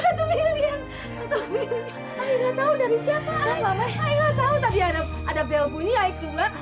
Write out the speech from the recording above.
ayu gak tau tadi ada bel bunyi ayu keluar